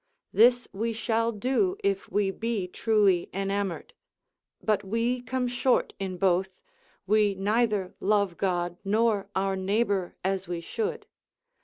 This we shall do if we be truly enamoured; but we come short in both, we neither love God nor our neighbour as we should.